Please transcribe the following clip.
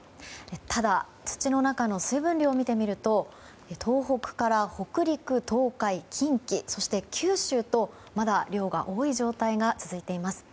ただ土の中の水分量を見てみると東北から北陸、東海・近畿そして、九州とまだ量が多い状態が続いています。